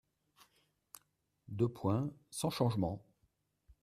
: Sans changement.